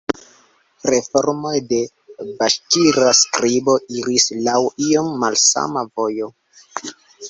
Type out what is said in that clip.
Reformoj de baŝkira skribo iris laŭ iom malsama vojo.